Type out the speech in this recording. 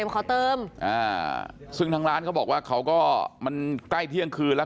ขอเติมอ่าซึ่งทางร้านเขาบอกว่าเขาก็มันใกล้เที่ยงคืนแล้ว